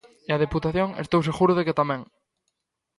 E a Deputación estou seguro de que tamén.